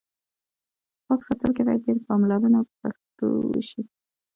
په پاک ساتلو کې باید ډېره پاملرنه وشي په پښتو ژبه.